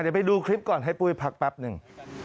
เดี๋ยวไปดูคลิปก่อนให้ปุ้ยพักแป๊บหนึ่ง